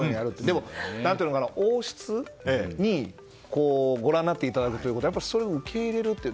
でも、王室にご覧になっていただくというのはそれを受け入れるっていう。